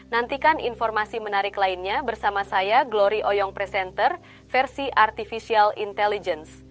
nantikan informasi menarik lainnya bersama saya glory oyong presenter versi artificial intelligence